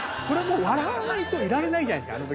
これもう笑わないといられないんじゃないですか？